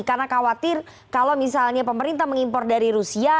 karena khawatir kalau misalnya pemerintah mengimpor dari rusia